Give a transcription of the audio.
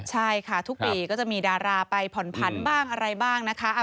ใช่ค่ะทุกปีก็จะมีดาราไปผ่อนผันบ้างอะไรบ้างนะคะ